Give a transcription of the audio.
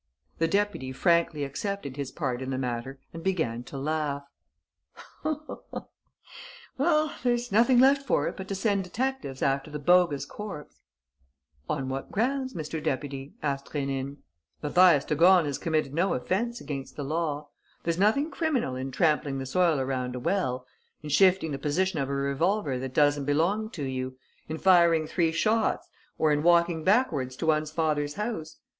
The deputy frankly accepted his part in the matter and began to laugh: "There's nothing left for it but to send detectives after the bogus corpse." "On what grounds, Mr. Deputy?" asked Rénine. "Mathias de Gorne has committed no offence against the law. There's nothing criminal in trampling the soil around a well, in shifting the position of a revolver that doesn't belong to you, in firing three shots or in walking backwards to one's father's house.